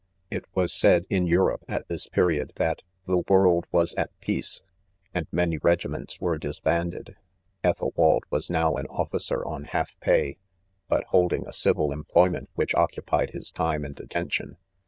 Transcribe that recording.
:* It was. said, in. Europe, at this periocl, that THE CONFESSIONS. 91 a the world vjas at peace " and many regiments were disbanded. Ethelwald was now an offi cer on v half pay, but holding* a civil employ ment which occupied his time and attention.